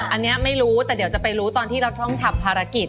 อันนี้ไม่รู้แต่เดี๋ยวจะไปรู้ตอนที่เราต้องทำภารกิจ